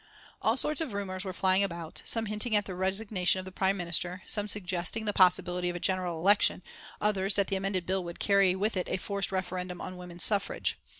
All sorts of rumours were flying about, some hinting at the resignation of the Prime Minister, some suggesting the possibility of a general election, others that the amended bill would carry with it a forced referendum on women's suffrage.